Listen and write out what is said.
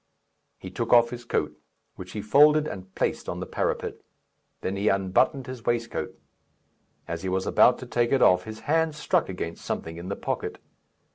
He took off his coat, which he folded and placed on the parapet; then he unbuttoned his waistcoat. As he was about to take it off, his hand struck against something in the pocket.